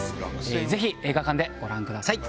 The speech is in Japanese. ぜひ映画館でご覧ください。